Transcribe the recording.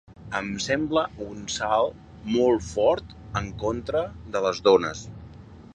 Em sembla un salt molt fort en contra de les dones.